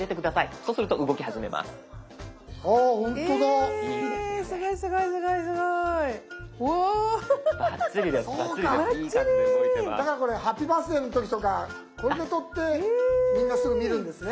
そうかだからこれハッピーバースデーの時とかこれで撮ってみんなすぐ見るんですね？